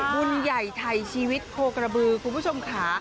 บุญใหญ่ไทยชีวิตโคกระบือคุณผู้ชมค่ะ